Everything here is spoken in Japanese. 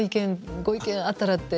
ご意見もあったらって。